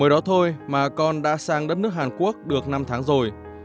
ở đó thôi mà con đã sang đất nước hàn quốc được năm tháng rồi